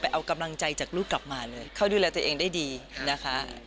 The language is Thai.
เอากำลังใจจากลูกกลับมาเลยเขาดูแลตัวเองได้ดีนะคะ